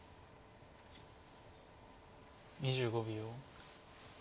２５秒。